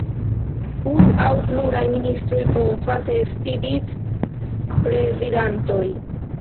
Unu aŭ pluraj ministroj povas esti vic-prezidantoj.